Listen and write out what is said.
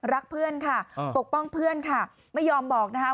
รักเพื่อนค่ะปกป้องเพื่อนค่ะไม่ยอมบอกนะคะ